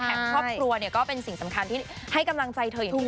ครอบครัวเนี่ยก็เป็นสิ่งสำคัญที่ให้กำลังใจเธออย่างดี